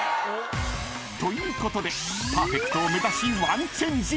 ［ということでパーフェクトを目指しワンチェンジ］